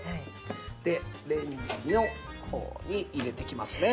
でレンジの方に入れていきますね。